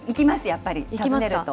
やっぱり、行きます。